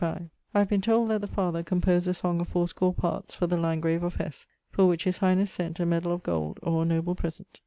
I have been told that the father composed a song of fourscore parts for the Lantgrave of Hess, for which highnesse sent a meddall of gold, or a noble present.